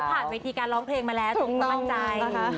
เขาผ่านวิธีการร้องเพลงมาแล้วตรงมั่นใจ